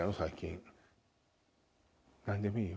何でもいいよ。